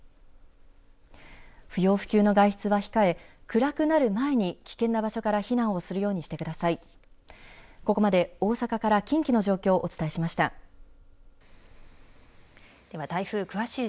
不要不急の外出は控え、暗くなる前に危険な場所から避難をするようにしてください。